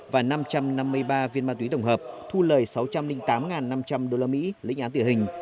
và năm trăm năm mươi ba viên ma túy tổng hợp thu lời sáu trăm linh tám năm trăm linh usd lĩnh án tử hình